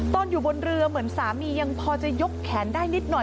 อยู่บนเรือเหมือนสามียังพอจะยกแขนได้นิดหน่อย